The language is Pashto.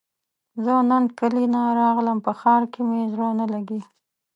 زۀ نن کلي نه راغلم په ښار کې مې زړه نه لګي